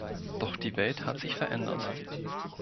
Doch die Welt hat sich verändert.